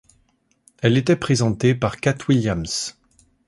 Elle était présentée par Katt Williams.